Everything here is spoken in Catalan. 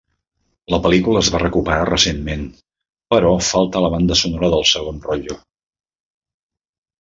La pel·lícula es va recuperar recentment però falta la banda sonora del segon rotlle.